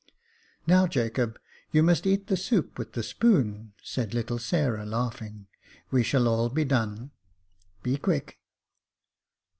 *' Now, Jacob, you must eat the soup with the spoon," said little Sarah, laughing ; "we shall all be done. Be quick."